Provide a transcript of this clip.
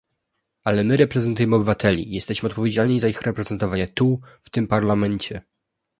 Ale my reprezentujemy obywateli i jesteśmy odpowiedzialni za ich reprezentowanie tu, w tym Parlamencie